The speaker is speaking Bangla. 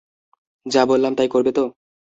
যা বললাম তাই করবে তো?